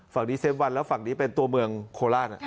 ฝั่งดีเซฟวันแล้วฝั่งนี้เป็นตัวเมืองโคราช